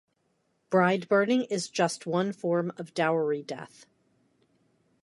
Bride burning is just one form of dowry death.